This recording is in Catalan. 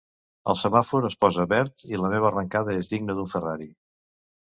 El semàfor es posa verd i la meva arrencada és digna d'un Ferrari.